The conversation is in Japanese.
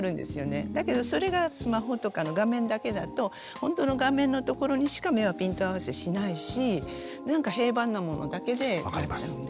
だけどそれがスマホとかの画面だけだとほんとの画面のところにしか目はピント合わせしないしなんか平板なものだけでなっちゃうので。